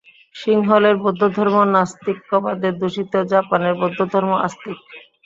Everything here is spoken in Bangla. সিংহলের বৌদ্ধধর্ম নাস্তিক্যবাদে দূষিত, জাপানের বৌদ্ধধর্ম আস্তিক।